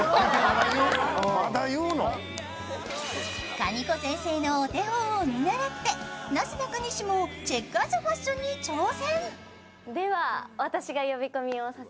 かみこ先生のお手本を見習ってなすなかにしもチェッカーズファッションに挑戦。